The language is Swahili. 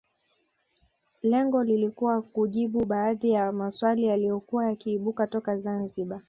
Lengo lilikuwa kujibu baadhi ya maswali yaliyokuwa yakiibuka toka Zanzibar